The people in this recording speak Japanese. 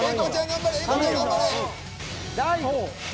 頑張れ。